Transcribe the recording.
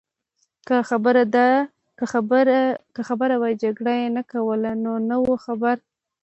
که خبر وای جګړه يې نه کول، نو نه وو خبر.